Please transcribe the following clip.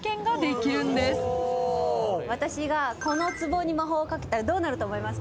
「私がこのつぼに魔法をかけたらどうなると思います？」